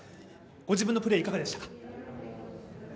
ご自分のプレー、いかがでしたか？